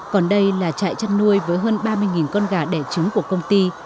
còn đây là trại chăn nuôi với hơn ba mươi con gà đẻ trứng của công ty